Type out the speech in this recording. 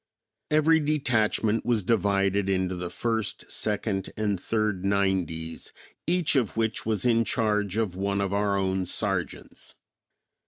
Every detachment was divided into the first, second and third nineties, each of which was in charge of one of our own sergeants.